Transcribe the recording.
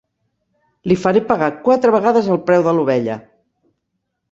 Li faré pagar quatre vegades el preu de l'ovella!